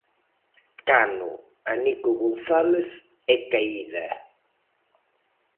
Cano a Nico González e caída.